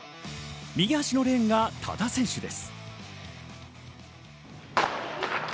右端のレーンが多田選手です。